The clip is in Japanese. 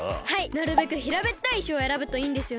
なるべくひらべったいいしをえらぶといいんですよね？